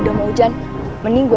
cerita semuanya dan utilanya dengan gue